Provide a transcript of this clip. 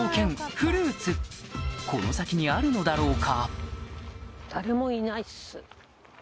フルーツこの先にあるのだろうか？